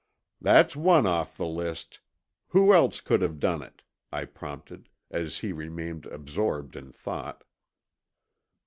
"That's one off the list. Who else could have done it?" I prompted, as he remained absorbed in thought.